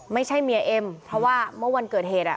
ไม่ใช่เมียเอ็มเพราะว่าเมื่อวันเกิดเหตุ